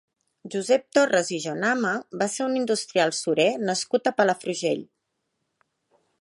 Josep Torres i Jonama va ser un industrial surer nascut a Palafrugell.